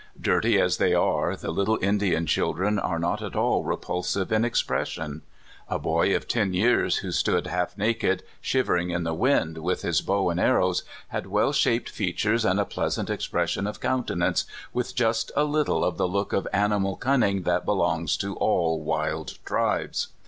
Dirty as they are, the little Indian children are not at all repulsive in expression. A boy of ten years, who stood half naked, shivering in the (184) JACK WHITE. 185 wind, with his bow and arrows, had well shaped features and a pleasant expression of countenance, with just a little of the look of animal cunning that belongs to all wild tribes.